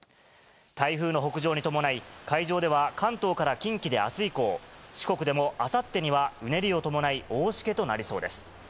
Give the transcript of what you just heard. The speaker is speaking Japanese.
台風の北上に伴い、海上では、関東から近畿であす以降、四国でもあさってには、うねりを伴い、大しけとなりそうです。